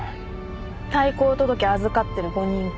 退校届預かってる５人か。